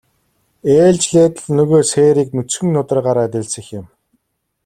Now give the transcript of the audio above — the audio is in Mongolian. Ээлжлээд л нөгөө сээрийг нүцгэн нударгаараа дэлсэх юм.